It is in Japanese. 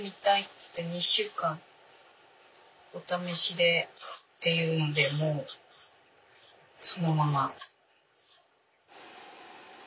つって２週間お試しでっていうのでもうそのまま。